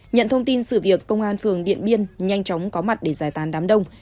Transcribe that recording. nhận thông tin sự việc công an phường điện biên nhanh chóng có mặt để giải tán đám đông